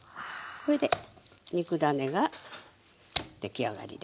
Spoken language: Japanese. これで肉ダネが出来上がりです。